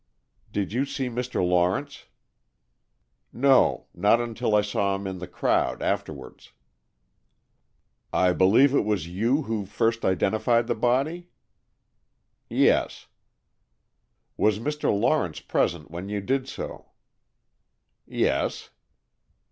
"Did you see Mr. Lawrence?" "No, not until I saw him in the crowd afterwards." "I believe it was you who first identified the body?" "Yes." "Was Mr. Lawrence present when you did so?" "Yes."